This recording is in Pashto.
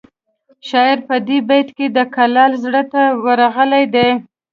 شاعر په دې بیت کې د کلال زړه ته ورغلی دی